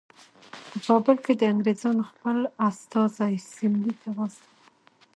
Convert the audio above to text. په کابل کې د انګریزانو خپل استازی سیملې ته واستاوه.